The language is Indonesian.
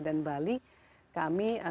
dan bali kami